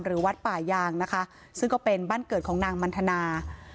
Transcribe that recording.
วัดป่ายางนะคะซึ่งก็เป็นบ้านเกิดของนางมันทนา